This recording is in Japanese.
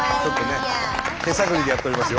手探りでやっておりますよ。